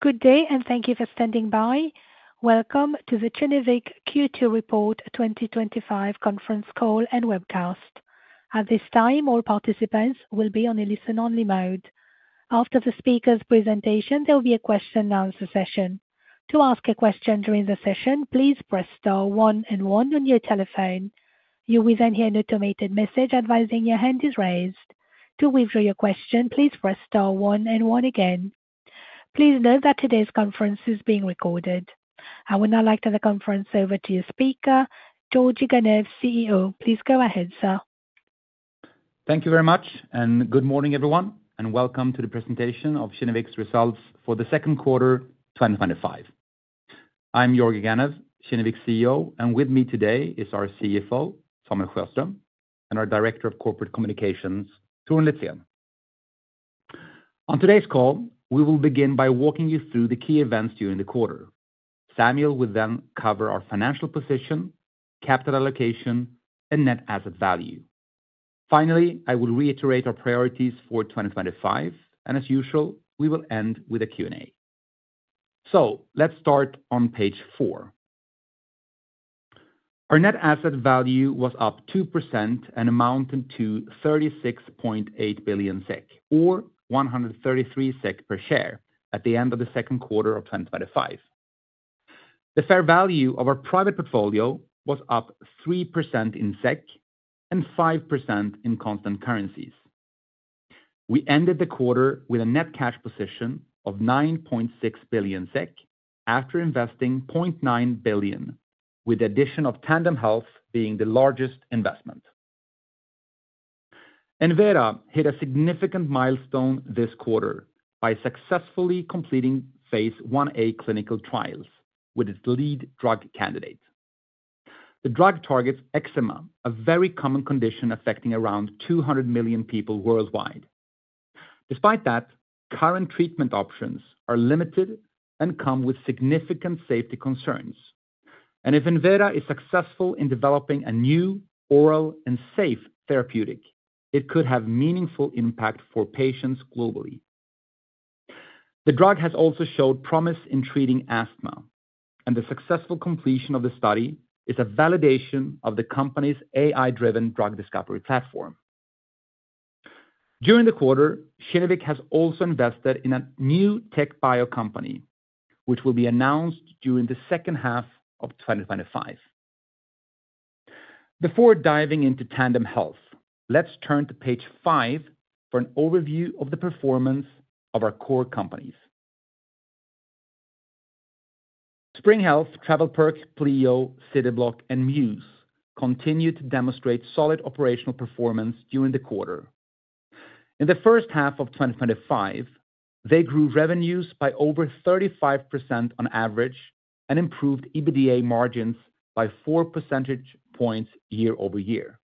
Good day, and thank you for standing by. Welcome to the Kinnevik Q2 Report 2025 conference call and webcast. At this time, all participants will be on a listen-only mode. After the speakers' presentations, there will be a question-and-answer session. To ask a question during the session, please press star one and one on your telephone. You will then hear an automated message advising your hand is raised. To withdraw your question, please press star one and one again. Please note that today's conference is being recorded. I will now like to turn the conference over to your speaker, Georgi Ganev, CEO. Please go ahead, sir. Thank you very much, and good morning, everyone, and welcome to the presentation of Kinnevik's results for the second quarter 2025. I'm Georgi Ganev, Kinnevik CEO, and with me today is our CFO, Samuel Sjöström, and our Director of Corporate Communications, Torun Litzén. On today's call, we will begin by walking you through the key events during the quarter. Samuel will then cover our financial position, capital allocation, and net asset value. Finally, I will reiterate our priorities for 2025, and as usual, we will end with a Q&A. So let's start on page four. Our net asset value was up 2% and amounted to 36.8 billion SEK, or 133 SEK per share, at the end of the second quarter of 2025. The fair value of our private portfolio was up 3% in SEK and 5% in constant currencies. We ended the quarter with a net cash position of 9.6 billion SEK after investing 0.9 billion, with the addition of Tandem Health being the largest investment. Enveda hit a significant milestone this quarter by successfully completing Phase 1a clinical trials with its lead drug candidate. The drug targets eczema, a very common condition affecting around 200 million people worldwide. Despite that, current treatment options are limited and come with significant safety concerns, and if Enveda is successful in developing a new, oral, and safe therapeutic, it could have a meaningful impact for patients globally. The drug has also showed promise in treating asthma, and the successful completion of the study is a validation of the company's AI-driven drug discovery platform. During the quarter, Kinnevik has also invested in a new TechBio company, which will be announced during the second half of 2025. Before diving into Tandem Health, let's turn to page five for an overview of the performance of our core companies. Spring Health, TravelPerk, Pleo, Cityblock, and Mews continued to demonstrate solid operational performance during the quarter. In the first half of 2025, they grew revenues by over 35% on average and improved EBITDA margins by 4 percentage points year over year.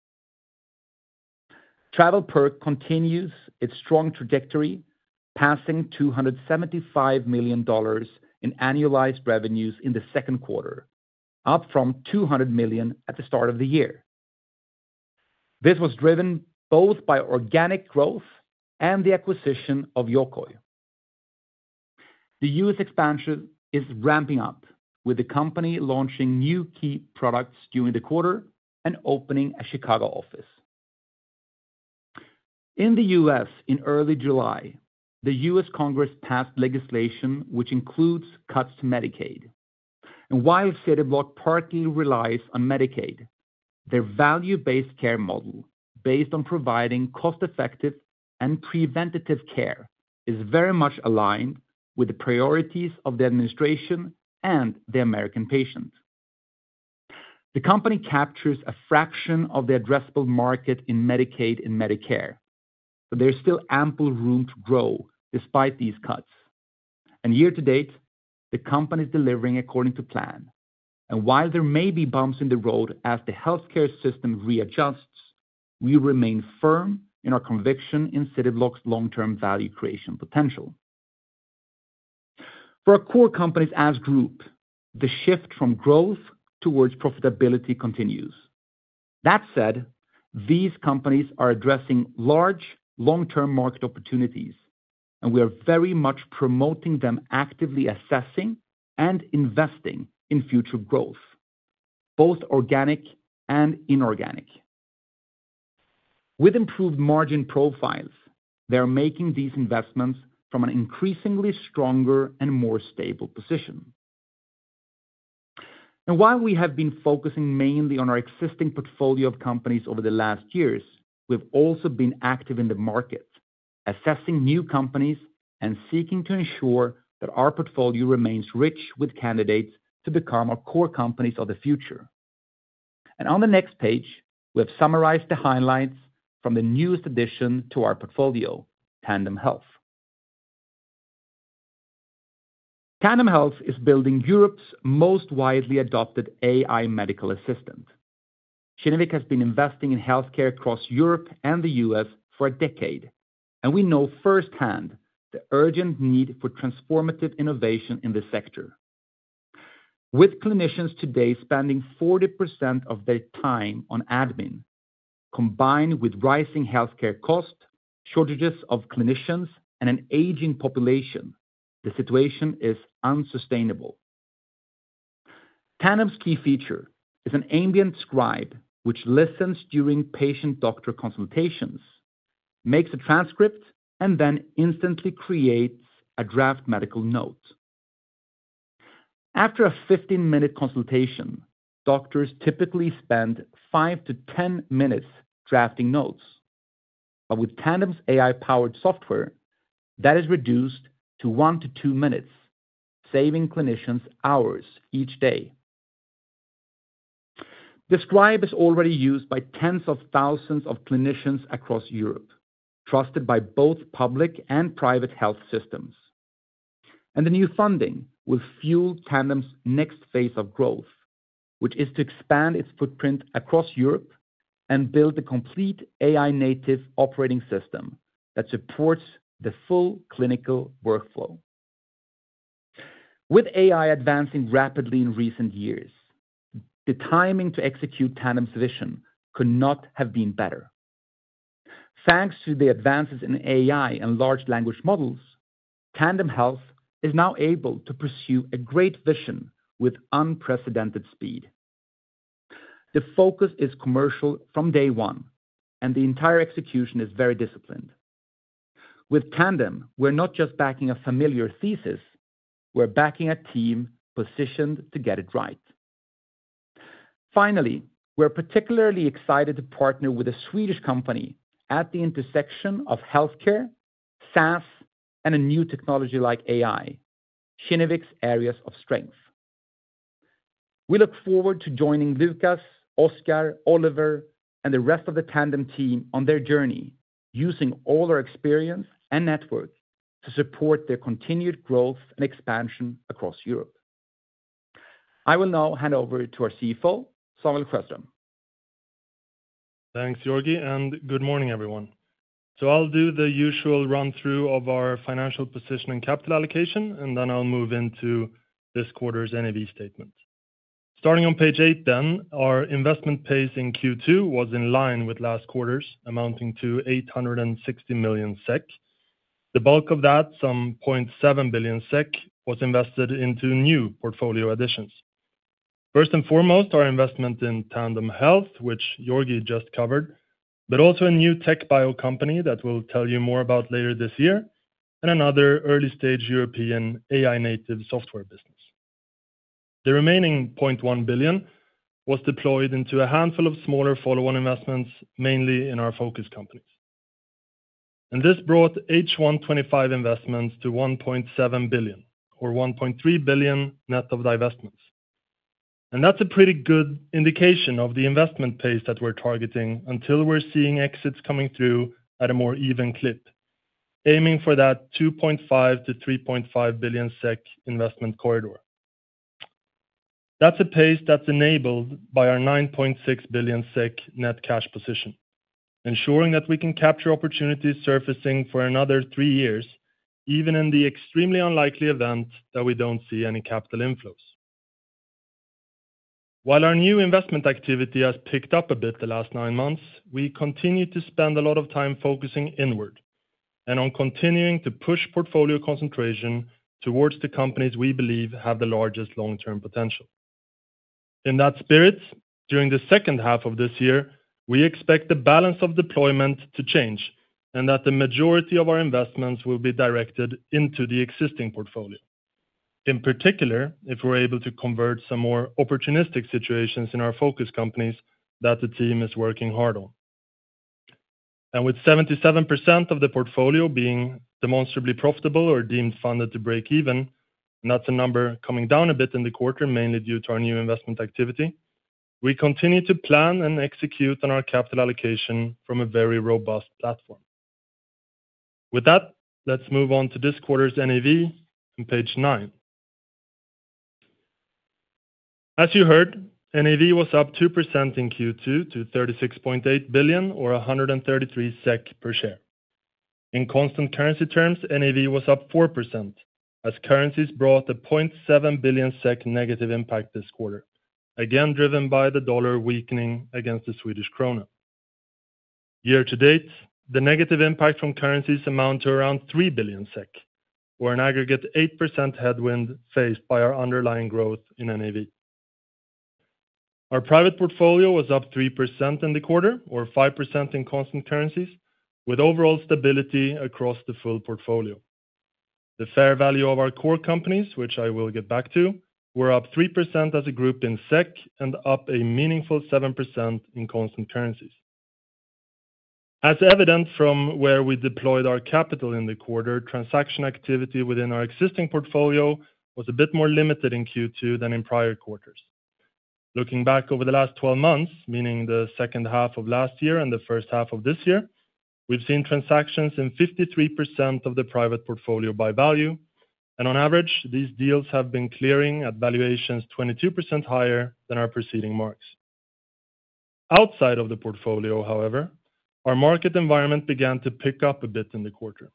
TravelPerk continues its strong trajectory, passing $275 million in annualized revenues in the second quarter, up from $200 million at the start of the year. This was driven both by organic growth and the acquisition of Yokoy. The U.S. expansion is ramping up, with the company launching new key products during the quarter and opening a Chicago office. In the U.S., in early July, the U.S. Congress passed legislation which includes cuts to Medicaid. While Cityblock partly relies on Medicaid, their value-based care model, based on providing cost-effective and preventative care, is very much aligned with the priorities of the administration and the American patient. The company captures a fraction of the addressable market in Medicaid and Medicare, but there is still ample room to grow despite these cuts. Year to date, the company is delivering according to plan. While there may be bumps in the road as the healthcare system readjusts, we remain firm in our conviction in Cityblock's long-term value creation potential. For our core companies as a group, the shift from growth towards profitability continues. That said, these companies are addressing large, long-term market opportunities, and we are very much promoting them, actively assessing and investing in future growth, both organic and inorganic. With improved margin profiles, they are making these investments from an increasingly stronger and more stable position. While we have been focusing mainly on our existing portfolio of companies over the last years, we've also been active in the market, assessing new companies and seeking to ensure that our portfolio remains rich with candidates to become our core companies of the future. On the next page, we have summarized the highlights from the newest addition to our portfolio, Tandem Health. Tandem Health is building Europe's most widely adopted AI medical assistant. Kinnevik has been investing in healthcare across Europe and the U.S. for a decade, and we know firsthand the urgent need for transformative innovation in this sector. With clinicians today spending 40% of their time on admin, combined with rising healthcare costs, shortages of clinicians, and an aging population, the situation is unsustainable. Tandem's key feature is an ambient scribe which listens during patient-doctor consultations, makes a transcript, and then instantly creates a draft medical note. After a 15-minute consultation, doctors typically spend five to 10 minutes drafting notes, but with Tandem's AI-powered software, that is reduced to one to two minutes, saving clinicians hours each day. The scribe is already used by tens of thousands of clinicians across Europe, trusted by both public and private health systems. The new funding will fuel Tandem's next phase of growth, which is to expand its footprint across Europe and build a complete AI-native operating system that supports the full clinical workflow. With AI advancing rapidly in recent years, the timing to execute Tandem's vision could not have been better. Thanks to the advances in AI and large language models, Tandem Health is now able to pursue a great vision with unprecedented speed. The focus is commercial from day one, and the entire execution is very disciplined. With Tandem, we're not just backing a familiar thesis, we're backing a team positioned to get it right. Finally, we're particularly excited to partner with a Swedish company at the intersection of healthcare, SaaS, and a new technology like AI, Kinnevik's areas of strength. We look forward to joining Lukas, Oskar, Oliver, and the rest of the Tandem team on their journey, using all our experience and network to support their continued growth and expansion across Europe. I will now hand over to our CFO, Samuel Sjöström. Thanks, Georgi, and good morning, everyone. So I'll do the usual run-through of our financial position and capital allocation, and then I'll move into this quarter's NAV statement. Starting on page eight, then, our investment pace in Q2 was in line with last quarter's, amounting to 860 million SEK. The bulk of that, some 0.7 billion SEK, was invested into new portfolio additions. First and foremost, our investment in Tandem Health, which Georgi just covered, but also a new TechBio company that we'll tell you more about later this year, and another early-stage European AI-native software business. The remaining 0.1 billion was deployed into a handful of smaller follow-on investments, mainly in our focus companies. And this brought H1 2025 investments to 1.7 billion, or 1.3 billion net of divestments. That's a pretty good indication of the investment pace that we're targeting until we're seeing exits coming through at a more even clip, aiming for that 2.5-3.5 billion SEK investment corridor. That's a pace that's enabled by our 9.6 billion SEK net cash position, ensuring that we can capture opportunities surfacing for another three years, even in the extremely unlikely event that we don't see any capital inflows. While our new investment activity has picked up a bit the last nine months, we continue to spend a lot of time focusing inward and on continuing to push portfolio concentration towards the companies we believe have the largest long-term potential. In that spirit, during the second half of this year, we expect the balance of deployment to change and that the majority of our investments will be directed into the existing portfolio, in particular if we're able to convert some more opportunistic situations in our focus companies that the team is working hard on. And with 77% of the portfolio being demonstrably profitable or deemed funded to break even, and that's a number coming down a bit in the quarter, mainly due to our new investment activity, we continue to plan and execute on our capital allocation from a very robust platform. With that, let's move on to this quarter's NAV and page nine. As you heard, NAV was up 2% in Q2 to 36.8 billion SEK, or 133 SEK per share. In constant currency terms, NAV was up 4%, as currencies brought a 0.7 billion SEK negative impact this quarter, again driven by the dollar weakening against the Swedish krona. Year to date, the negative impact from currencies amounts to around 3 billion SEK, or an aggregate 8% headwind faced by our underlying growth in NAV. Our private portfolio was up 3% in the quarter, or 5% in constant currencies, with overall stability across the full portfolio. The fair value of our core companies, which I will get back to, were up 3% as a group in SEK and up a meaningful 7% in constant currencies. As evident from where we deployed our capital in the quarter, transaction activity within our existing portfolio was a bit more limited in Q2 than in prior quarters. Looking back over the last 12 months, meaning the second half of last year and the first half of this year, we've seen transactions in 53% of the private portfolio by value, and on average, these deals have been clearing at valuations 22% higher than our preceding marks. Outside of the portfolio, however, our market environment began to pick up a bit in the quarter.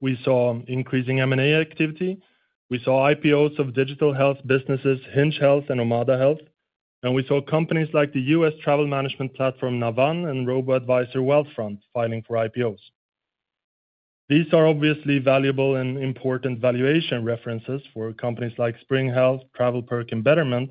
We saw increasing M&A activity. We saw IPOs of digital health businesses Hinge Health and Omada Health, and we saw companies like the U.S. travel management platform Navan and robo-advisor Wealthfront filing for IPOs. These are obviously valuable and important valuation references for companies like Spring Health, TravelPerk, and Betterment,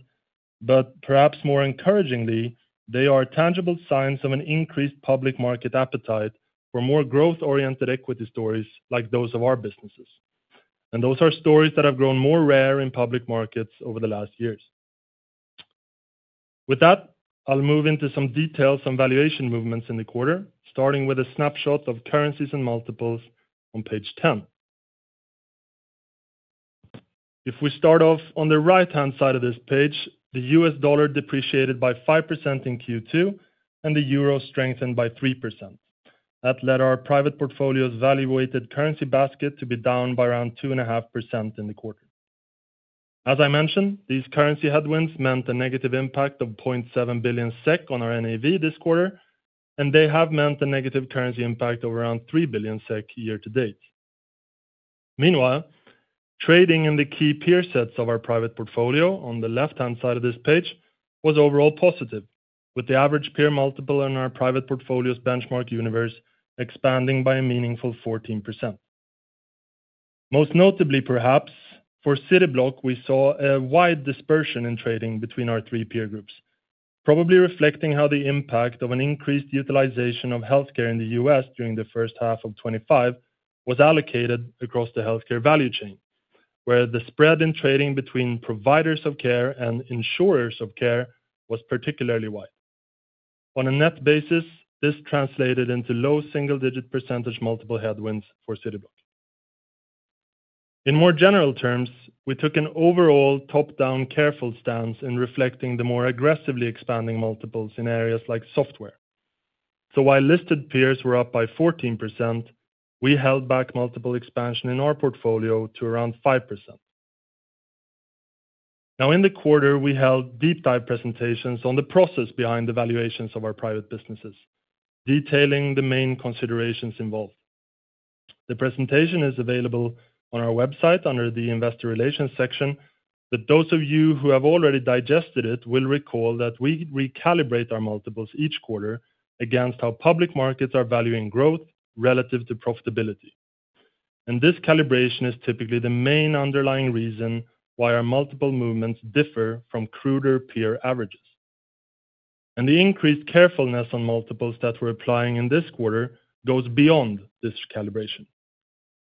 but perhaps more encouragingly, they are tangible signs of an increased public market appetite for more growth-oriented equity stories like those of our businesses. Those are stories that have grown more rare in public markets over the last years. With that, I'll move into some details on valuation movements in the quarter, starting with a snapshot of currencies and multiples on page 10. If we start off on the right-hand side of this page, the U.S. dollar depreciated by 5% in Q2, and the euro strengthened by 3%. That led our private portfolio's valuated currency basket to be down by around 2.5% in the quarter. As I mentioned, these currency headwinds meant a negative impact of 0.7 billion SEK on our NAV this quarter, and they have meant a negative currency impact of around 3 billion SEK year to date. Meanwhile, trading in the key peer sets of our private portfolio on the left-hand side of this page was overall positive, with the average peer multiple in our private portfolio's benchmark universe expanding by a meaningful 14%. Most notably, perhaps, for Cityblock, we saw a wide dispersion in trading between our three peer groups, probably reflecting how the impact of an increased utilization of healthcare in the U.S. during the first half of 2025 was allocated across the healthcare value chain, where the spread in trading between providers of care and insurers of care was particularly wide. On a net basis, this translated into low single-digit % multiple headwinds for Cityblock. In more general terms, we took an overall top-down careful stance in reflecting the more aggressively expanding multiples in areas like software. So while listed peers were up by 14%, we held back multiple expansion in our portfolio to around 5%. Now, in the quarter, we held deep-dive presentations on the process behind the valuations of our private businesses, detailing the main considerations involved. The presentation is available on our website under the Investor Relations section, but those of you who have already digested it will recall that we recalibrate our multiples each quarter against how public markets are valuing growth relative to profitability. And this calibration is typically the main underlying reason why our multiple movements differ from cruder peer averages. And the increased carefulness on multiples that we're applying in this quarter goes beyond this calibration.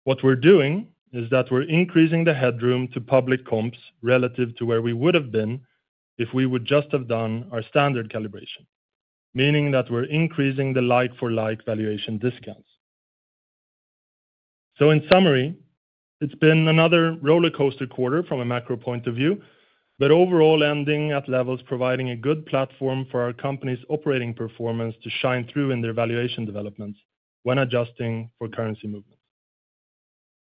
What we're doing is that we're increasing the headroom to public comps relative to where we would have been if we would just have done our standard calibration, meaning that we're increasing the like-for-like valuation discounts. So, in summary, it's been another rollercoaster quarter from a macro point of view, but overall ending at levels providing a good platform for our company's operating performance to shine through in their valuation developments when adjusting for currency movements.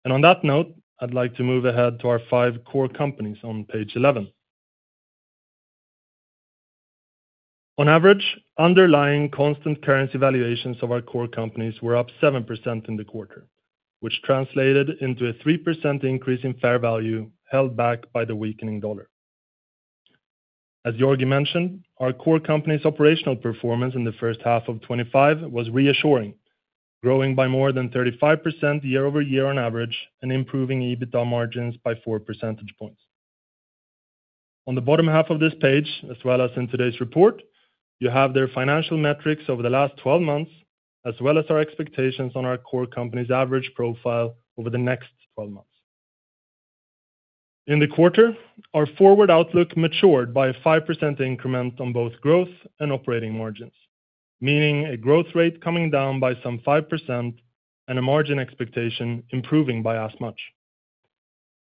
And on that note, I'd like to move ahead to our five core companies on page 11. On average, underlying constant currency valuations of our core companies were up 7% in the quarter, which translated into a 3% increase in fair value held back by the weakening dollar. As Georgi mentioned, our core company's operational performance in the first half of 2025 was reassuring, growing by more than 35% year-over-year on average and improving EBITDA margins by 4 percentage points. On the bottom half of this page, as well as in today's report, you have their financial metrics over the last 12 months, as well as our expectations on our core company's average profile over the next 12 months. In the quarter, our forward outlook matured by a 5% increment on both growth and operating margins, meaning a growth rate coming down by some 5% and a margin expectation improving by as much.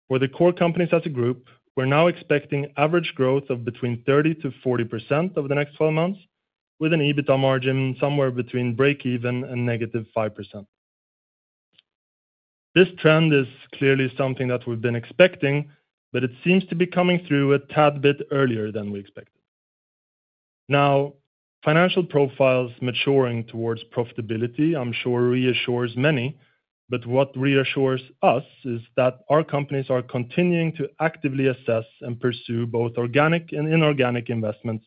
For the core companies as a group, we're now expecting average growth of between 30% to 40% over the next 12 months, with an EBITDA margin somewhere between break-even and negative 5%. This trend is clearly something that we've been expecting, but it seems to be coming through a tad bit earlier than we expected. Now, financial profiles maturing towards profitability, I'm sure, reassures many, but what reassures us is that our companies are continuing to actively assess and pursue both organic and inorganic investments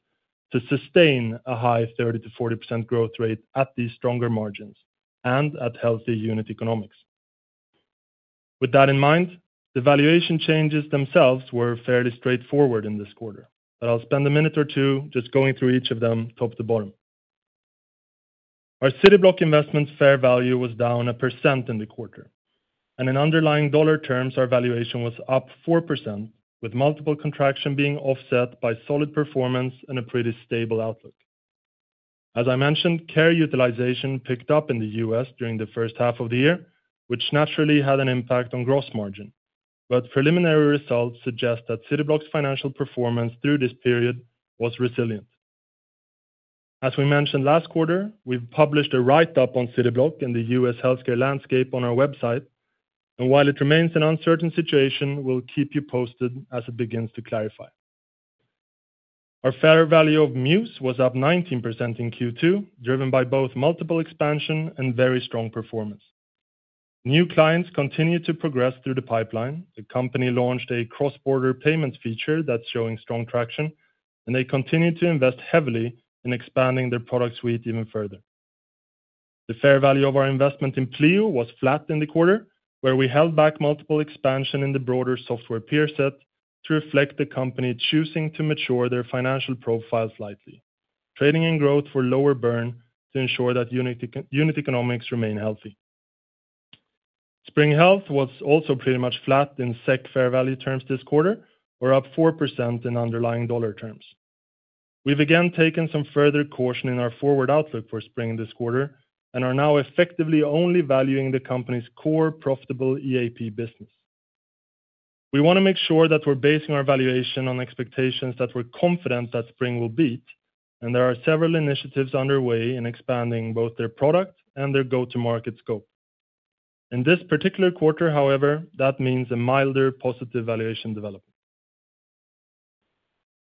to sustain a high 30%-40% growth rate at these stronger margins and at healthy unit economics. With that in mind, the valuation changes themselves were fairly straightforward in this quarter, but I'll spend a minute or two just going through each of them top to bottom. Our Cityblock investment's fair value was down 1% in the quarter, and in underlying dollar terms, our valuation was up 4%, with multiple contraction being offset by solid performance and a pretty stable outlook. As I mentioned, care utilization picked up in the U.S. during the first half of the year, which naturally had an impact on gross margin, but preliminary results suggest that Cityblock's financial performance through this period was resilient. As we mentioned last quarter, we've published a write-up on Cityblock and the U.S. healthcare landscape on our website, and while it remains an uncertain situation, we'll keep you posted as it begins to clarify. Our fair value of Mews was up 19% in Q2, driven by both multiple expansion and very strong performance. New clients continue to progress through the pipeline. The company launched a cross-border payment feature that's showing strong traction, and they continue to invest heavily in expanding their product suite even further. The fair value of our investment in Pleo was flat in the quarter, where we held back multiple expansion in the broader software peer set to reflect the company choosing to mature their financial profile slightly, trading in growth for lower burn to ensure that unit economics remain healthy. Spring Health was also pretty much flat in SEK fair value terms this quarter, or up 4% in underlying dollar terms. We've again taken some further caution in our forward outlook for Spring this quarter and are now effectively only valuing the company's core profitable EAP business. We want to make sure that we're basing our valuation on expectations that we're confident that Spring will beat, and there are several initiatives underway in expanding both their product and their go-to-market scope. In this particular quarter, however, that means a milder positive valuation development.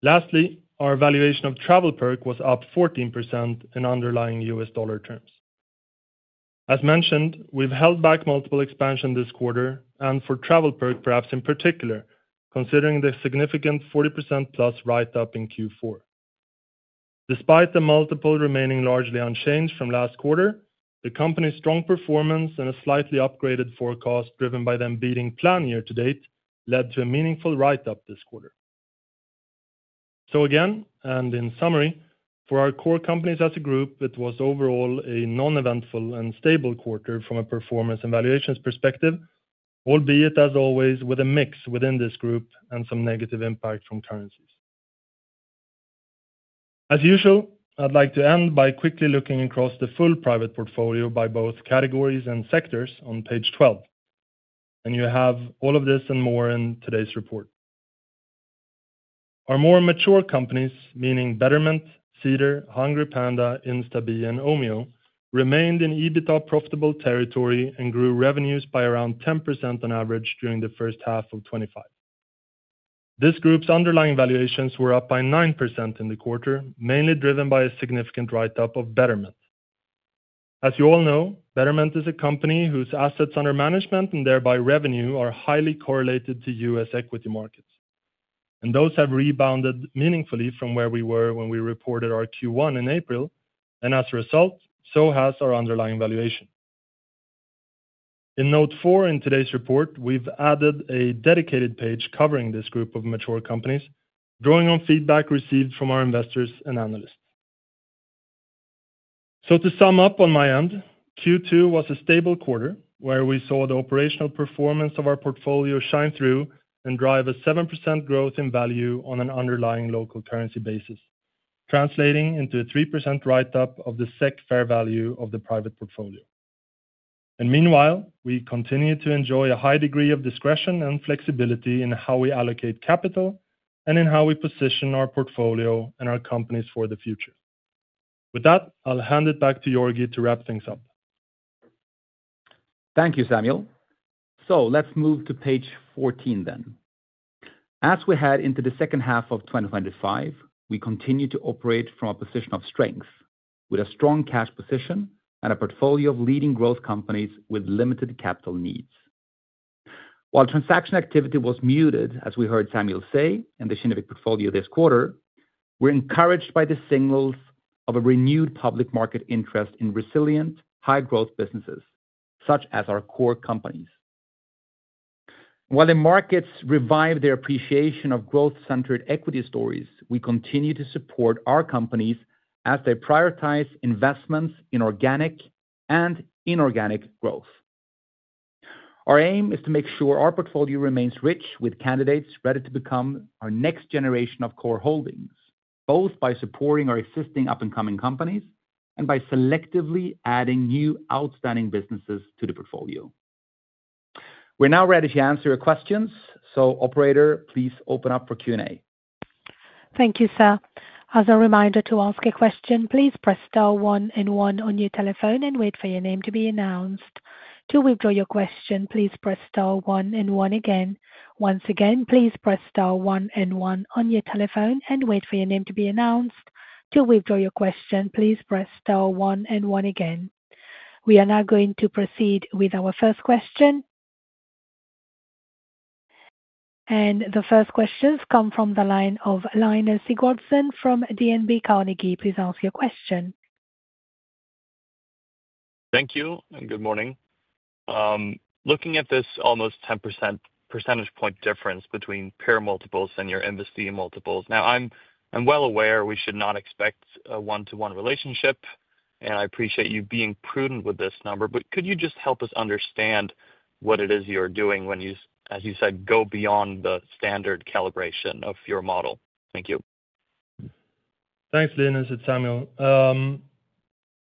Lastly, our valuation of TravelPerk was up 14% in underlying U.S. dollar terms. As mentioned, we've held back multiple expansion this quarter, and for TravelPerk, perhaps in particular, considering the significant 40% plus write-up in Q4. Despite the multiple remaining largely unchanged from last quarter, the company's strong performance and a slightly upgraded forecast driven by them beating plan year to date led to a meaningful write-up this quarter. So again, and in summary, for our core companies as a group, it was overall a non-eventful and stable quarter from a performance and valuations perspective, albeit as always with a mix within this group and some negative impact from currencies. As usual, I'd like to end by quickly looking across the full private portfolio by both categories and sectors on page 12, and you have all of this and more in today's report. Our more mature companies, meaning Betterment, Cedar, HungryPanda, Instabee, and Omio, remained in EBITDA profitable territory and grew revenues by around 10% on average during the first half of 2025. This group's underlying valuations were up by 9% in the quarter, mainly driven by a significant write-up of Betterment. As you all know, Betterment is a company whose assets under management and thereby revenue are highly correlated to U.S. equity markets, and those have rebounded meaningfully from where we were when we reported our Q1 in April, and as a result, so has our underlying valuation. In note four in today's report, we've added a dedicated page covering this group of mature companies, drawing on feedback received from our investors and analysts. So to sum up on my end, Q2 was a stable quarter where we saw the operational performance of our portfolio shine through and drive a 7% growth in value on an underlying local currency basis, translating into a 3% write-up of the SEK fair value of the private portfolio, and meanwhile, we continue to enjoy a high degree of discretion and flexibility in how we allocate capital and in how we position our portfolio and our companies for the future. With that, I'll hand it back to Georgi to wrap things up. Thank you, Samuel, so let's move to page 14 then. As we head into the second half of 2025, we continue to operate from a position of strength with a strong cash position and a portfolio of leading growth companies with limited capital needs. While transaction activity was muted, as we heard Samuel say in the Kinnevik portfolio this quarter, we're encouraged by the signals of a renewed public market interest in resilient, high-growth businesses such as our core companies. While the markets revive their appreciation of growth-centered equity stories, we continue to support our companies as they prioritize investments in organic and inorganic growth. Our aim is to make sure our portfolio remains rich with candidates ready to become our next generation of core holdings, both by supporting our existing up-and-coming companies and by selectively adding new outstanding businesses to the portfolio. We're now ready to answer your questions, so operator, please open up for Q&A. Thank you, sir. As a reminder to ask a question, please press star one and one on your telephone and wait for your name to be announced. To withdraw your question, please press star one and one again. Once again, please press star one and one on your telephone and wait for your name to be announced. To withdraw your question, please press star one and one again. We are now going to proceed with our first question. And the first questions come from the line of Linus Sigurdsson from DNB Carnegie. Please ask your question. Thank you and good morning. Looking at this almost 10% percentage point difference between peer multiples and your investing in multiples, now I'm well aware we should not expect a one-to-one relationship, and I appreciate you being prudent with this number, but could you just help us understand what it is you're doing when you, as you said, go beyond the standard calibration of your model? Thank you. Thanks, Linus and Samuel.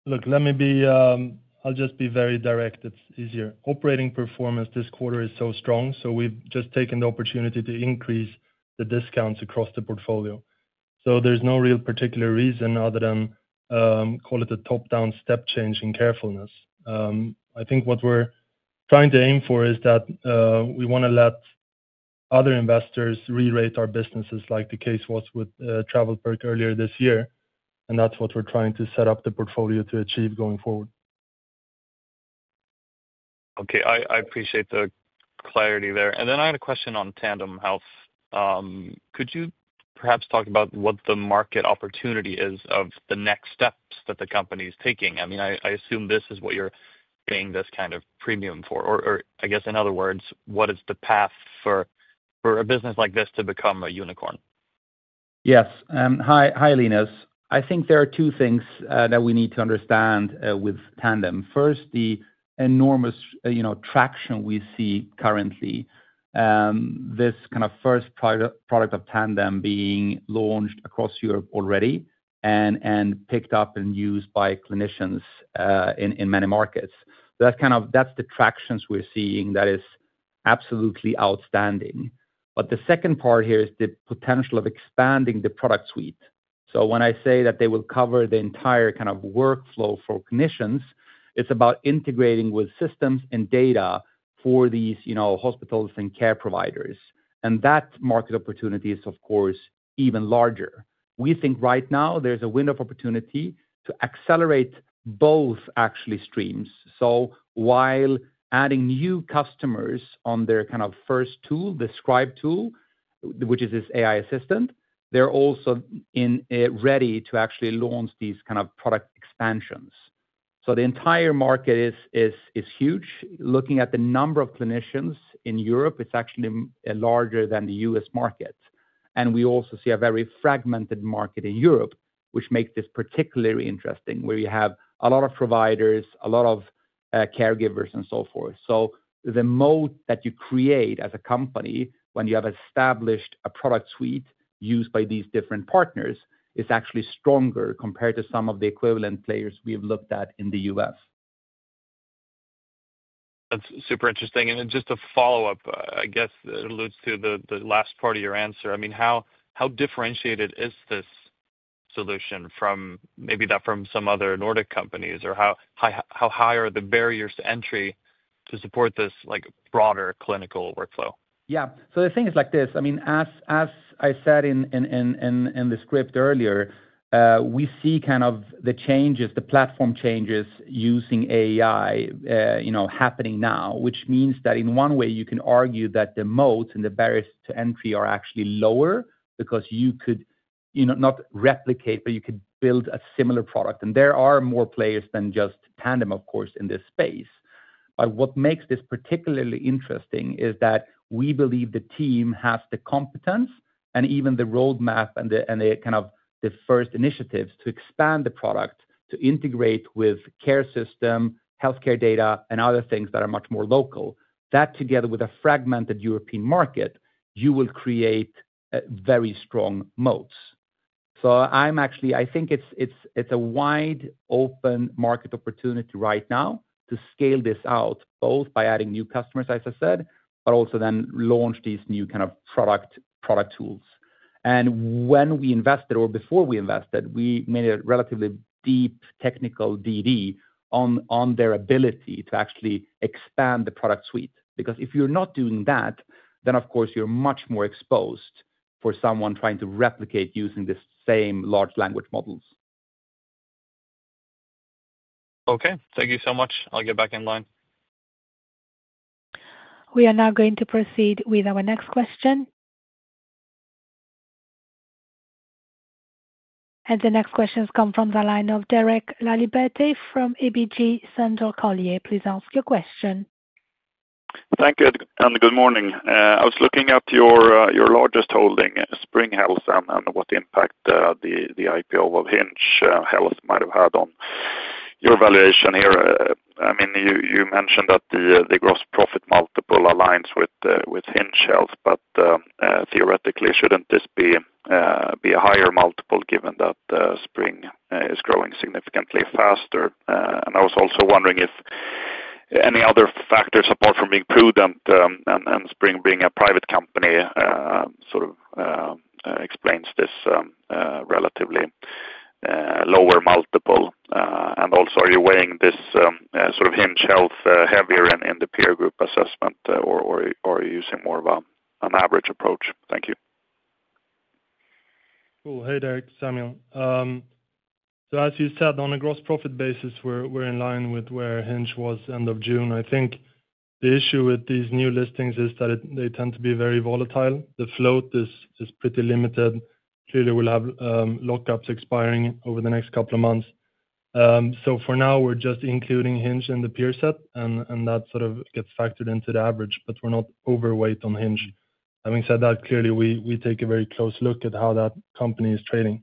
Look, let me be. I'll just be very direct. It's easier. Operating performance this quarter is so strong, so we've just taken the opportunity to increase the discounts across the portfolio. So there's no real particular reason other than call it a top-down step change in carefulness. I think what we're trying to aim for is that we want to let other investors re-rate our businesses, like the case was with TravelPerk earlier this year, and that's what we're trying to set up the portfolio to achieve going forward. Okay, I appreciate the clarity there. And then I had a question on Tandem Health. Could you perhaps talk about what the market opportunity is of the next steps that the company is taking? I mean, I assume this is what you're paying this kind of premium for, or I guess in other words, what is the path for a business like this to become a unicorn? Yes. Hi, Linus. I think there are two things that we need to understand with Tandem. First, the enormous traction we see currently, this kind of first product of Tandem being launched across Europe already and picked up and used by clinicians in many markets. That's the traction we're seeing that is absolutely outstanding. But the second part here is the potential of expanding the product suite. So when I say that they will cover the entire kind of workflow for clinicians, it's about integrating with systems and data for these hospitals and care providers. And that market opportunity is, of course, even larger. We think right now there's a window of opportunity to accelerate both actually streams. So while adding new customers on their kind of first tool, the Scribe tool, which is this AI assistant, they're also ready to actually launch these kind of product expansions. So the entire market is huge. Looking at the number of clinicians in Europe, it's actually larger than the U.S. market. And we also see a very fragmented market in Europe, which makes this particularly interesting, where you have a lot of providers, a lot of caregivers, and so forth. So the moat that you create as a company when you have established a product suite used by these different partners is actually stronger compared to some of the equivalent players we have looked at in the U.S. That's super interesting. And just to follow up, I guess it alludes to the last part of your answer. I mean, how differentiated is this solution from maybe that from some other Nordic companies, or how high are the barriers to entry to support this broader clinical workflow? Yeah. So the thing is like this. I mean, as I said in the script earlier, we see kind of the changes, the platform changes using AI happening now, which means that in one way you can argue that the moats and the barriers to entry are actually lower because you could not replicate, but you could build a similar product. And there are more players than just Tandem, of course, in this space. But what makes this particularly interesting is that we believe the team has the competence and even the roadmap and the kind of the first initiatives to expand the product to integrate with care system, healthcare data, and other things that are much more local. That together with a fragmented European market, you will create very strong moats. So I'm actually, I think it's a wide open market opportunity right now to scale this out both by adding new customers, as I said, but also then launch these new kind of product tools. And when we invested or before we invested, we made a relatively deep technical DD on their ability to actually expand the product suite. Because if you're not doing that, then of course you're much more exposed for someone trying to replicate using the same large language models. Okay. Thank you so much. I'll get back in line. We are now going to proceed with our next question. And the next questions come from the line of Derek Laliberte from ABG Sundal Collier. Please ask your question. Thank you and good morning. I was looking at your largest holding, Spring Health, and what impact the IPO of Hinge Health might have had on your valuation here. I mean, you mentioned that the gross profit multiple aligns with Hinge Health, but theoretically, shouldn't this be a higher multiple given that Spring is growing significantly faster? And I was also wondering if any other factors apart from being prudent and Spring being a private company sort of explains this relatively lower multiple. And also, are you weighing this sort of Hinge Health heavier in the peer group assessment, or are you using more of an average approach? Thank you. Cool. Hey, Derek, Samuel. So as you said, on a gross profit basis, we're in line with where Hinge was end of June. I think the issue with these new listings is that they tend to be very volatile. The float is pretty limited. Clearly, we'll have lockups expiring over the next couple of months. So for now, we're just including Hinge in the peer set, and that sort of gets factored into the average, but we're not overweight on Hinge. Having said that, clearly, we take a very close look at how that company is trading.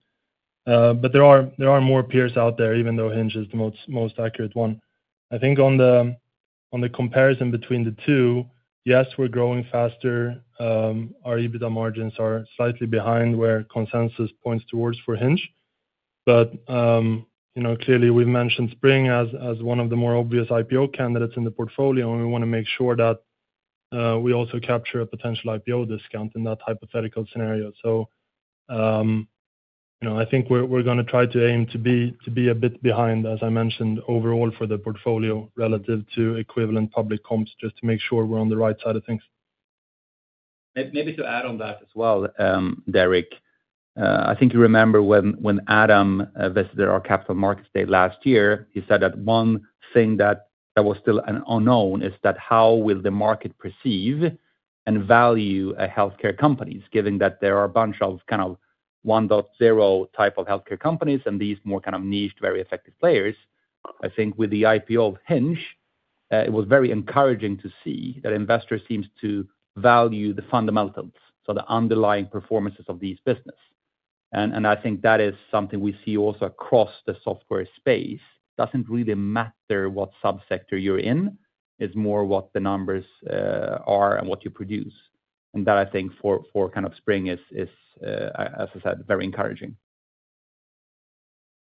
But there are more peers out there, even though Hinge is the most accurate one. I think on the comparison between the two, yes, we're growing faster. Our EBITDA margins are slightly behind where consensus points towards for Hinge. But clearly, we've mentioned Spring as one of the more obvious IPO candidates in the portfolio, and we want to make sure that we also capture a potential IPO discount in that hypothetical scenario. So I think we're going to try to aim to be a bit behind, as I mentioned, overall for the portfolio relative to equivalent public comps just to make sure we're on the right side of things. Maybe to add on that as well, Derek, I think you remember when Adam visited our capital markets day last year, he said that one thing that was still an unknown is that how will the market perceive and value healthcare companies, given that there are a bunch of kind of 1.0 type of healthcare companies and these more kind of niched, very effective players. I think with the IPO of Hinge, it was very encouraging to see that investors seem to value the fundamentals, so the underlying performances of these businesses. And I think that is something we see also across the software space. It doesn't really matter what subsector you're in. It's more what the numbers are and what you produce. And that, I think, for kind of Spring is, as I said, very encouraging.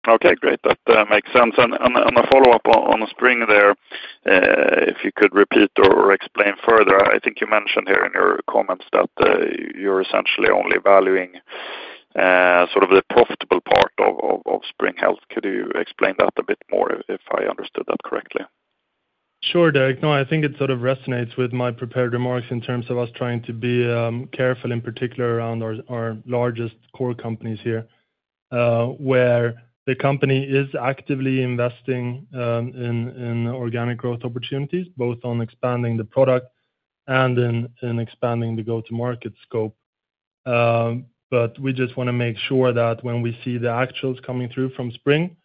Okay, great. That makes sense. And a follow-up on Spring there, if you could repeat or explain further. I think you mentioned here in your comments that you're essentially only valuing sort of the profitable part of Spring Health. Could you explain that a bit more if I understood that correctly? Sure, Derek. No, I think it sort of resonates with my prepared remarks in terms of us trying to be careful in particular around our largest core companies here, where the company is actively investing in organic growth opportunities, both on expanding the product and in expanding the go-to-market scope. But we just want to make sure that when we see the actuals coming through from Spring,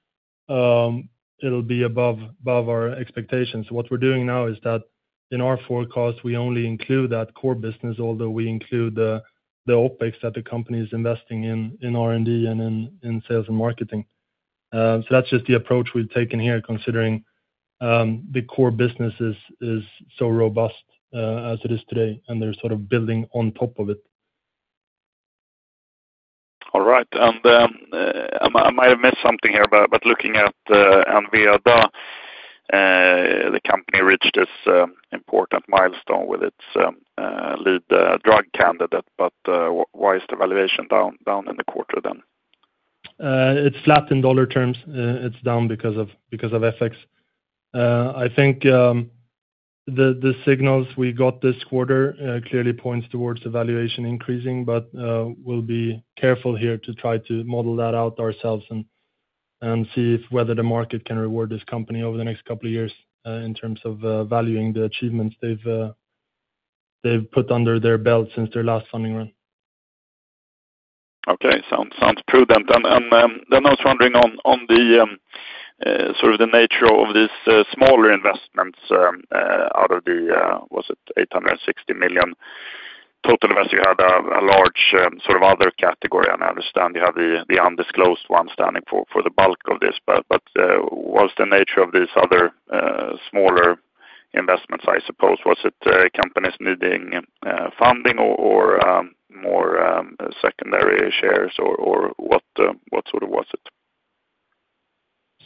it'll be above our expectations. What we're doing now is that in our forecast, we only include that core business, although we include the OpEx that the company is investing in R&D and in sales and marketing. So that's just the approach we've taken here, considering the core business is so robust as it is today, and they're sort of building on top of it. All right, and I might have missed something here, but looking at Enveda, the company reached this important milestone with its lead drug candidate, but why is the valuation down in the quarter then? It's flat in dollar terms. It's down because of FX. I think the signals we got this quarter clearly point towards the valuation increasing, but we'll be careful here to try to model that out ourselves and see whether the market can reward this company over the next couple of years in terms of valuing the achievements they've put under their belt since their last funding run. Okay, sounds prudent, and then I was wondering on the sort of the nature of these smaller investments out of the, was it 860 million total investing? You had a large sort of other category. I understand you have the undisclosed one standing for the bulk of this. But what's the nature of these other smaller investments, I suppose? Was it companies needing funding or more secondary shares, or what sort of was it?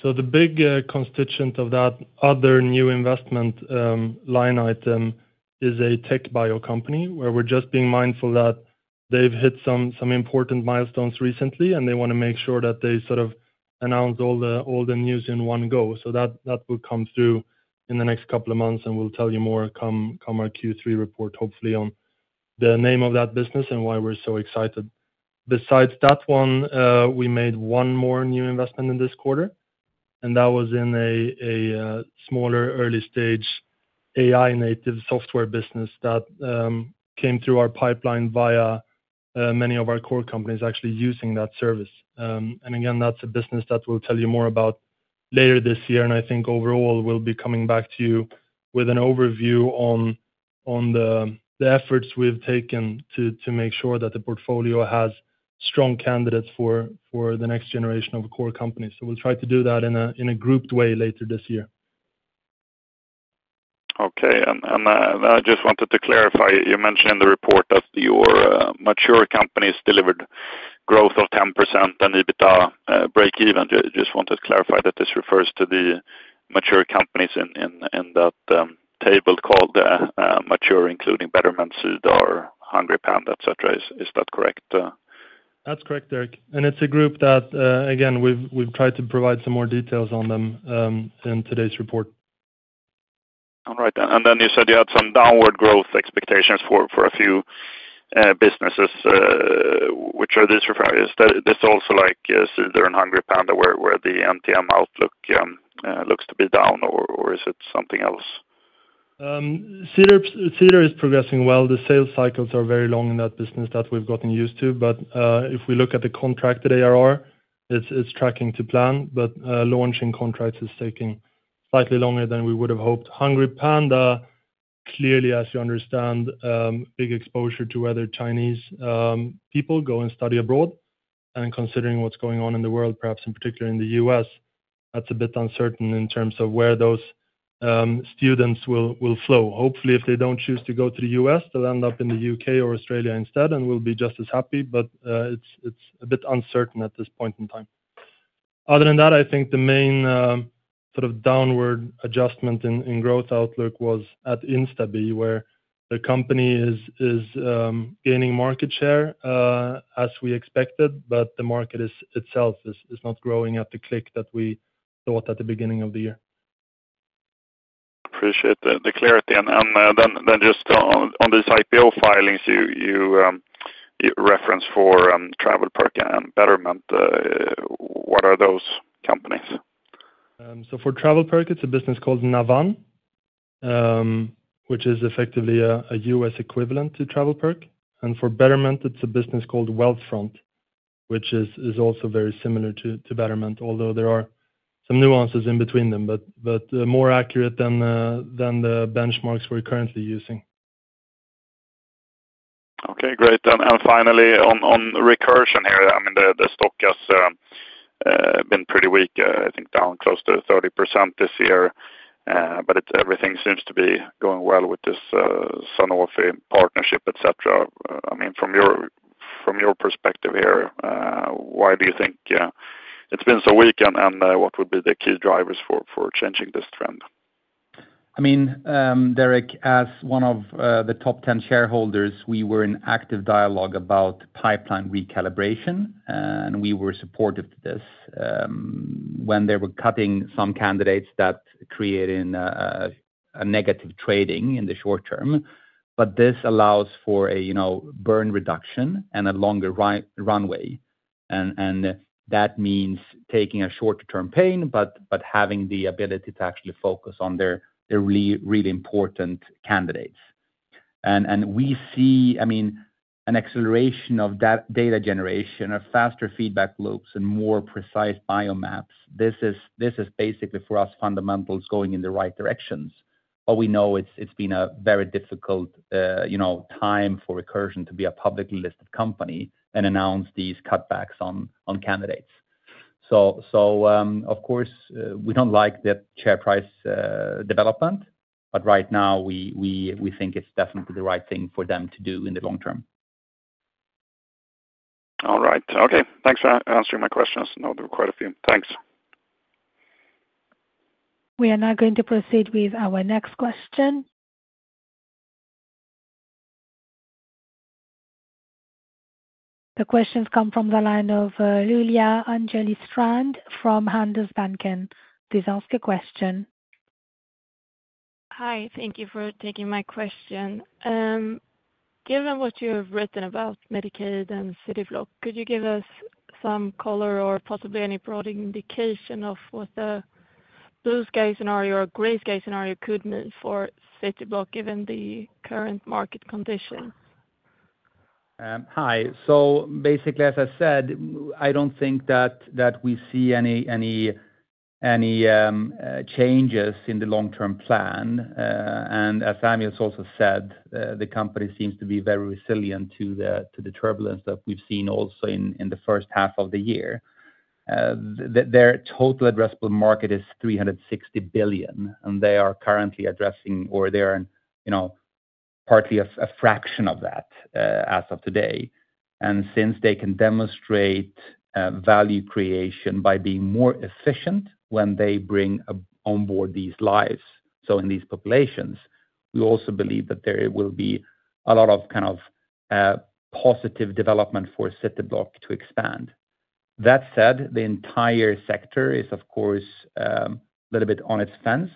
So the big constituent of that other new investment line item is a TechBio company, where we're just being mindful that they've hit some important milestones recently, and they want to make sure that they sort of announce all the news in one go. So that will come through in the next couple of months, and we'll tell you more come our Q3 report, hopefully, on the name of that business and why we're so excited. Besides that one, we made one more new investment in this quarter, and that was in a smaller early-stage AI-native software business that came through our pipeline via many of our core companies actually using that service. And again, that's a business that we'll tell you more about later this year. I think overall, we'll be coming back to you with an overview on the efforts we've taken to make sure that the portfolio has strong candidates for the next generation of core companies. So we'll try to do that in a grouped way later this year. Okay. I just wanted to clarify. You mentioned in the report that your mature companies delivered growth of 10% and EBITDA break-even. I just wanted to clarify that this refers to the mature companies in that table called Mature, including Betterment, Cedar, HungryPanda, etc. Is that correct? That's correct, Derek. It's a group that, again, we've tried to provide some more details on them in today's report. All right. Then you said you had some downward growth expectations for a few businesses. Which are these? Is this also like Cedar and HungryPanda where the MTM outlook looks to be down, or is it something else? Cedar is progressing well. The sales cycles are very long in that business that we've gotten used to. But if we look at the contracted ARR, it's tracking to plan, but launching contracts is taking slightly longer than we would have hoped. HungryPanda, clearly, as you understand, big exposure to whether Chinese people go and study abroad. And considering what's going on in the world, perhaps in particular in the U.S., that's a bit uncertain in terms of where those students will flow. Hopefully, if they don't choose to go to the U.S., they'll end up in the U.K. or Australia instead, and we'll be just as happy. But it's a bit uncertain at this point in time. Other than that, I think the main sort of downward adjustment in growth outlook was at Instabee, where the company is gaining market share as we expected, but the market itself is not growing at the clip that we thought at the beginning of the year. Appreciate the clarity. And then just on these IPO filings you referenced for TravelPerk and Betterment, what are those companies? So for TravelPerk, it's a business called Navan, which is effectively a US equivalent to TravelPerk. And for Betterment, it's a business called Wealthfront, which is also very similar to Betterment, although there are some nuances in between them, but more accurate than the benchmarks we're currently using. Okay, great. And finally, on Recursion here, I mean, the stock has been pretty weak. I think down close to 30% this year. But everything seems to be going well with this Sanofi partnership, etc. I mean, from your perspective here, why do you think it's been so weak? And what would be the key drivers for changing this trend? I mean, Derek, as one of the top 10 shareholders, we were in active dialogue about pipeline recalibration, and we were supportive to this when they were cutting some candidates that created a negative trading in the short term. But this allows for a burn reduction and a longer runway. And that means taking a shorter-term pain but having the ability to actually focus on their really important candidates. And we see, I mean, an acceleration of data generation, faster feedback loops, and more precise biomaps. This is basically for us fundamentals going in the right directions. But we know it's been a very difficult time for Recursion to be a publicly listed company and announce these cutbacks on candidates. So of course, we don't like that share price development, but right now, we think it's definitely the right thing for them to do in the long term. All right. Okay. Thanks for answering my questions. No, there were quite a few. Thanks. We are now going to proceed with our next question. The questions come from the line of Julia Angeli Strand from Handelsbanken. Please ask a question. Hi. Thank you for taking my question. Given what you have written about Medicaid and Cityblock, could you give us some color or possibly any broader indication of what the blue sky scenario or gray sky scenario could mean for Cityblock given the current market conditions? Hi. So basically, as I said, I don't think that we see any changes in the long-term plan. And as Amir has also said, the company seems to be very resilient to the turbulence that we've seen also in the first half of the year. Their total addressable market is $360 billion, and they are currently addressing, or they are partly a fraction of that as of today. And since they can demonstrate value creation by being more efficient when they bring on board these lives, so in these populations, we also believe that there will be a lot of kind of positive development for Cityblock to expand. That said, the entire sector is, of course, a little bit on the fence.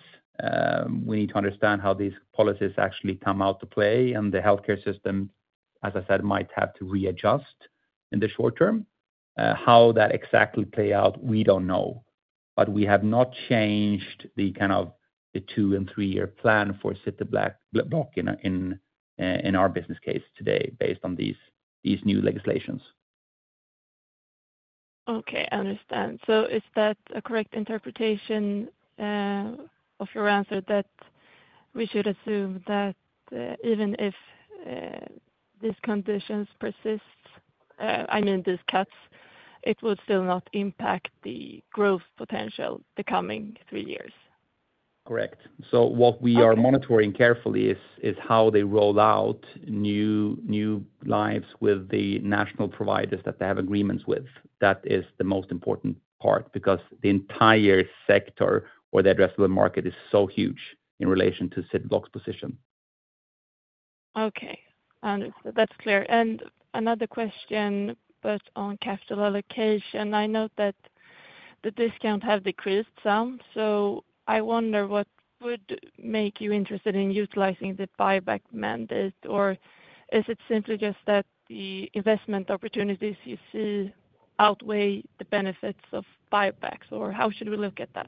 We need to understand how these policies actually come out to play, and the healthcare system, as I said, might have to readjust in the short term. How that exactly plays out, we don't know. But we have not changed the kind of the two- and three-year plan for Cityblock in our business case today based on these new legislation. Okay. I understand. So is that a correct interpretation of your answer that we should assume that even if these conditions persist, I mean, these cuts, it would still not impact the growth potential the coming three years? Correct. So what we are monitoring carefully is how they roll out new lives with the national providers that they have agreements with. That is the most important part because the entire sector or the addressable market is so huge in relation to Cityblock's position. Okay. That's clear. And another question, but on capital allocation. I know that the discounts have decreased some. So I wonder what would make you interested in utilizing the buyback mandate, or is it simply just that the investment opportunities you see outweigh the benefits of buybacks, or how should we look at that?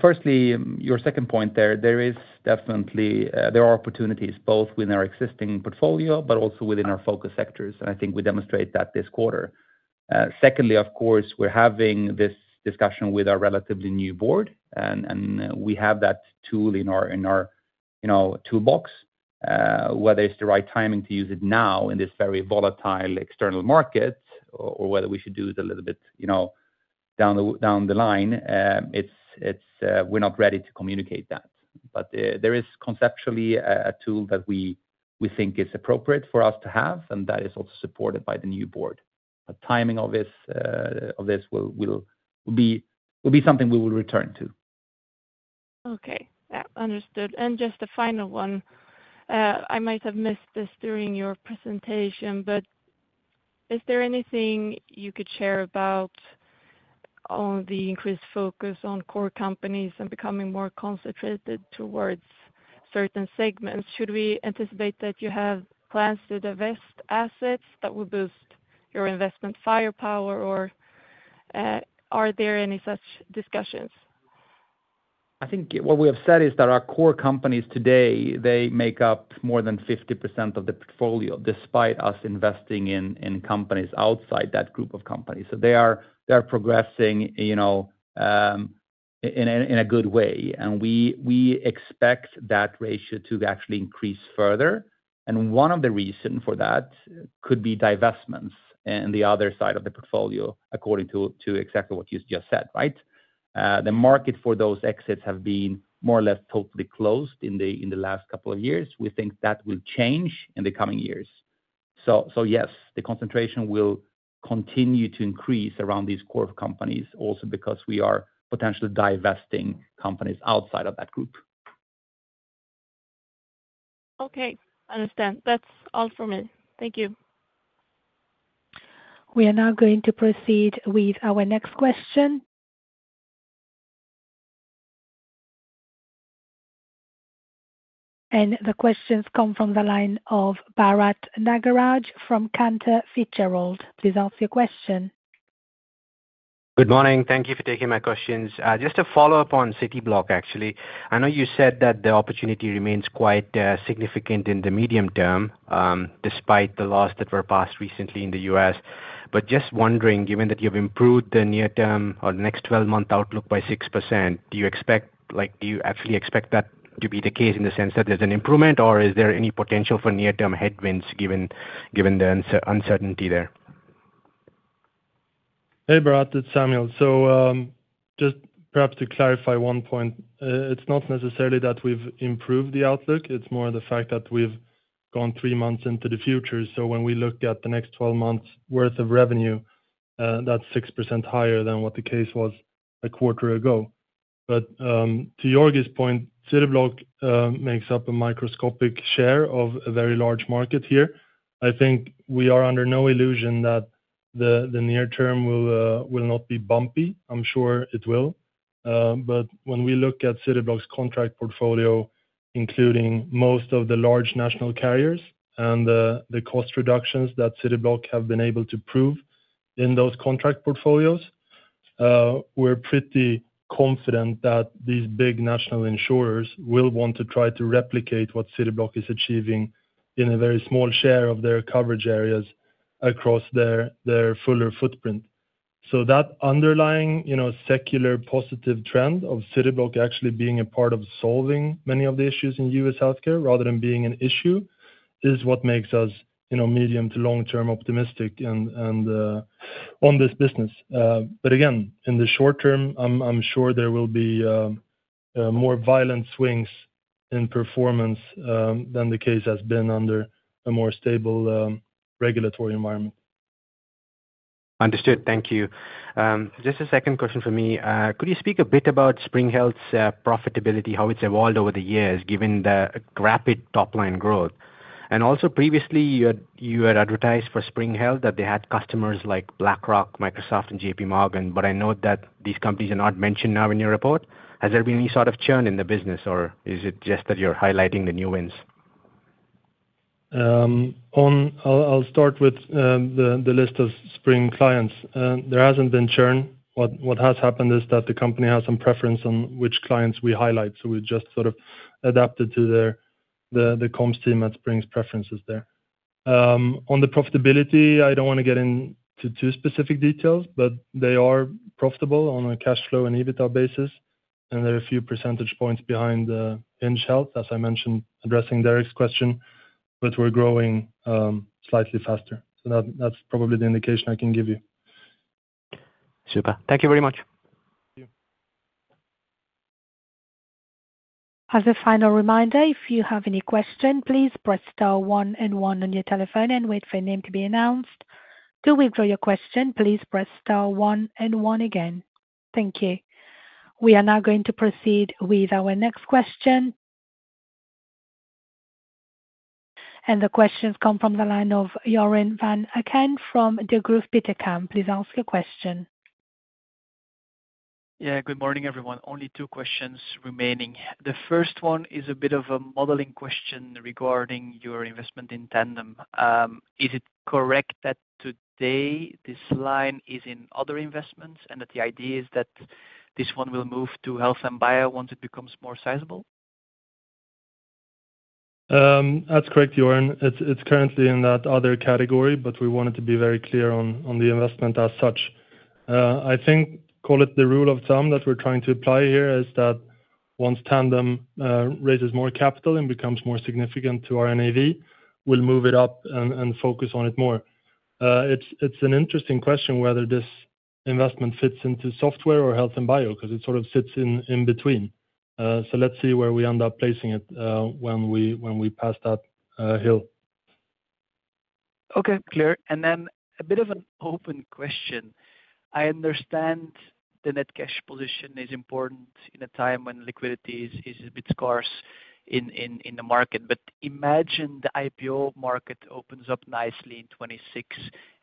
Firstly, your second point there, there are definitely opportunities both within our existing portfolio but also within our focus sectors. I think we demonstrate that this quarter. Secondly, of course, we're having this discussion with our relatively new board, and we have that tool in our toolbox. Whether it's the right timing to use it now in this very volatile external market or whether we should do it a little bit down the line, we're not ready to communicate that. There is conceptually a tool that we think is appropriate for us to have, and that is also supported by the new board. The timing of this will be something we will return to. Okay. Understood. And just a final one. I might have missed this during your presentation, but is there anything you could share about the increased focus on core companies and becoming more concentrated towards certain segments? Should we anticipate that you have plans to divest assets that will boost your investment firepower, or are there any such discussions? I think what we have said is that our core companies today, they make up more than 50% of the portfolio despite us investing in companies outside that group of companies. So they are progressing in a good way. And we expect that ratio to actually increase further. And one of the reasons for that could be divestments on the other side of the portfolio, according to exactly what you just said, right? The market for those exits has been more or less totally closed in the last couple of years. We think that will change in the coming years. So yes, the concentration will continue to increase around these core companies also because we are potentially divesting companies outside of that group. Okay. Understand. That's all for me. Thank you. We are now going to proceed with our next question. The questions come from the line of Bharath Nagaraj from Cantor Fitzgerald. Please ask your question. Good morning. Thank you for taking my questions. Just to follow up on Cityblock, actually. I know you said that the opportunity remains quite significant in the medium term despite the laws that were passed recently in the US. But just wondering, given that you have improved the near-term or the next 12-month outlook by 6%, do you expect do you actually expect that to be the case in the sense that there's an improvement, or is there any potential for near-term headwinds given the uncertainty there? Hey, Bharat. It's Samuel. So just perhaps to clarify one point, it's not necessarily that we've improved the outlook. It's more the fact that we've gone three months into the future. So when we look at the next 12 months' worth of revenue, that's 6% higher than what the case was a quarter ago. But to Georgi's point, Cityblock makes up a microscopic share of a very large market here. I think we are under no illusion that the near-term will not be bumpy. I'm sure it will. But when we look at Cityblock's contract portfolio, including most of the large national carriers and the cost reductions that Cityblock have been able to prove in those contract portfolios, we're pretty confident that these big national insurers will want to try to replicate what Cityblock is achieving in a very small share of their coverage areas across their fuller footprint. So that underlying secular positive trend of Cityblock actually being a part of solving many of the issues in U.S. healthcare rather than being an issue is what makes us medium to long-term optimistic on this business. But again, in the short term, I'm sure there will be more violent swings in performance than the case has been under a more stable regulatory environment. Understood. Thank you. Just a second question for me. Could you speak a bit about Spring Health's profitability, how it's evolved over the years given the rapid top-line growth? And also, previously, you had advertised for Spring Health that they had customers like BlackRock, Microsoft, and J.P. Morgan. But I note that these companies are not mentioned now in your report. Has there been any sort of churn in the business, or is it just that you're highlighting the new wins? I'll start with the list of Spring clients. There hasn't been churn. What has happened is that the company has some preference on which clients we highlight. So we've just sort of adapted to the comms team at Spring's preferences there. On the profitability, I don't want to get into too specific details, but they are profitable on a cash flow and EBITDA basis. And there are a few percentage points behind Hinge Health, as I mentioned addressing Derek's question, but we're growing slightly faster. So that's probably the indication I can give you. Super. Thank you very much. Thank you. As a final reminder, if you have any question, please press star one and one on your telephone and wait for your name to be announced. To withdraw your question, please press star one and one again. Thank you. We are now going to proceed with our next question. And the questions come from the line of Joren Van Aken from Degroof Petercam. Please ask your question. Yeah. Good morning, everyone. Only two questions remaining. The first one is a bit of a modeling question regarding your investment in Tandem. Is it correct that today this line is in other investments and that the idea is that this one will move to Health and Bio once it becomes more sizable? That's correct, Joren. It's currently in that other category, but we wanted to be very clear on the investment as such. I think, call it the rule of thumb that we're trying to apply here is that once Tandem raises more capital and becomes more significant to our NAV, we'll move it up and focus on it more. It's an interesting question whether this investment fits into software or Health and Bio because it sort of sits in between. So let's see where we end up placing it when we pass that hill. Okay. Clear. And then a bit of an open question. I understand the net cash position is important in a time when liquidity is a bit scarce in the market, but imagine the IPO market opens up nicely in 2026,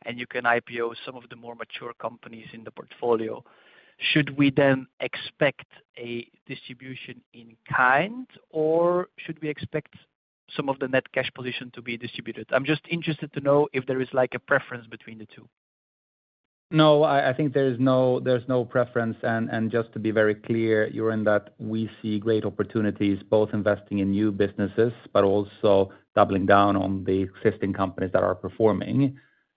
and you can IPO some of the more mature companies in the portfolio. Should we then expect a distribution in kind, or should we expect some of the net cash position to be distributed? I'm just interested to know if there is a preference between the two. No, I think there's no preference, and just to be very clear, Joren, that we see great opportunities both investing in new businesses but also doubling down on the existing companies that are performing,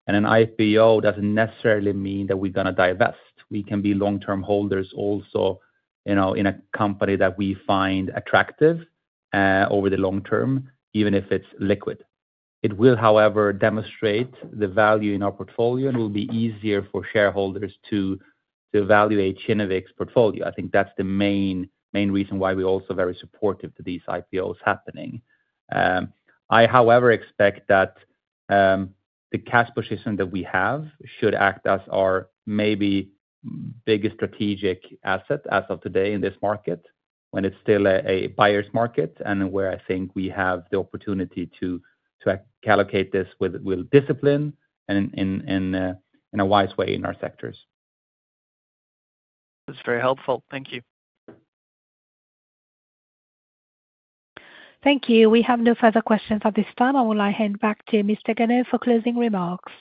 and an IPO doesn't necessarily mean that we're going to divest. We can be long-term holders also in a company that we find attractive over the long term, even if it's liquid. It will, however, demonstrate the value in our portfolio, and it will be easier for shareholders to evaluate Kinnevik's portfolio. I think that's the main reason why we're also very supportive to these IPOs happening. I, however, expect that the cash position that we have should act as our maybe biggest strategic asset as of today in this market when it's still a buyer's market and where I think we have the opportunity to allocate this with discipline and in a wise way in our sectors. That's very helpful. Thank you. Thank you. We have no further questions at this time. I will now hand back to Mr. Ganev for closing remarks.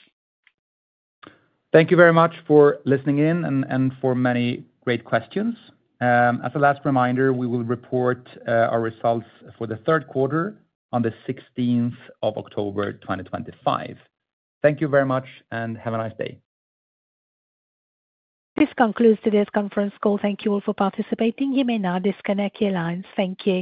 Thank you very much for listening in and for many great questions. As a last reminder, we will report our results for the third quarter on the 16th of October 2025. Thank you very much, and have a nice day. This concludes today's conference call. Thank you all for participating. You may now disconnect your lines. Thank you.